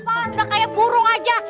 pahal udah kayak burung aja